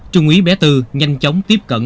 trung úy bé tư nhanh chóng tiếp cận